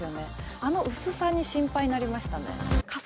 あの薄さに心配になりましたね。